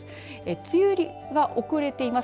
梅雨入りが遅れています